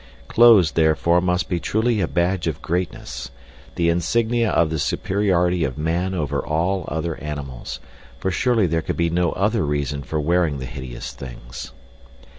Clothes therefore, must be truly a badge of greatness; the insignia of the superiority of man over all other animals, for surely there could be no other reason for wearing the hideous things.